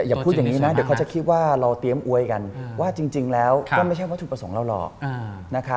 อย่าพูดอย่างนี้นะเดี๋ยวเขาจะคิดว่าเราเตรียมอวยกันว่าจริงแล้วก็ไม่ใช่วัตถุประสงค์เราหรอก